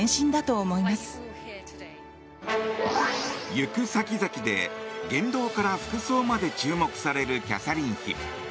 行く先々で言動から服装まで注目されるキャサリン妃。